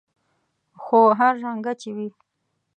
خو هر رنګه چې وي.